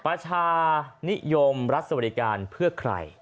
ประชานิยมรัฐสวัสดิการเพื่อใคร